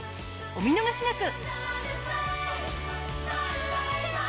お見逃しなく！